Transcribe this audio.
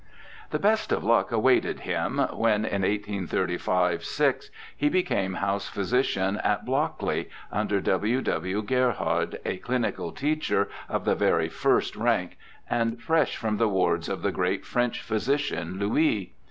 The best of luck awaited him when, in 1835 6, he became house physician at Blockley, under W. W. Gerhard, a clinical teacher of the very first rank, and fresh from the wards of the great French physician, Louis.